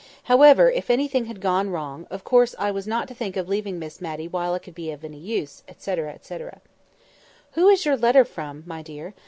However, if anything had gone wrong, of course I was not to think of leaving Miss Matty while I could be of any use, etc. "Who is your letter from, my dear?